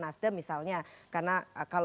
nasdaq misalnya karena kalau